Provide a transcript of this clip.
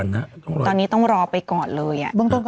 ก็ต้องรอไปก่อนเลย